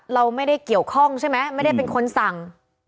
เราไม่ได้เกี่ยวข้องใช่ไหมไม่ได้เป็นคนสั่ง